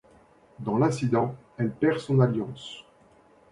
Dans l'incident, elle perd son alliance.